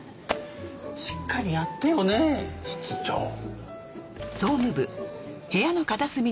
しっかりやってよね室長。